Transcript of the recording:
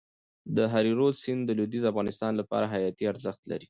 د هریرود سیند د لوېدیځ افغانستان لپاره حیاتي ارزښت لري.